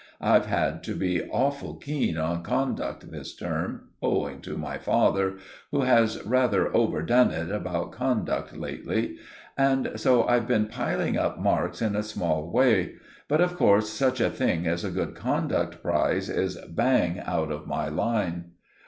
I've had to be awful keen on conduct this term, owing to my father, who has rather overdone it about conduct lately; and so I've been piling up marks in a small way, but of course such a thing as a good conduct prize is bang out of my line."